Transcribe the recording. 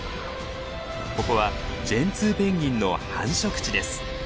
ここはジェンツーペンギンの繁殖地です。